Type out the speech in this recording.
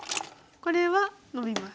これはノビます。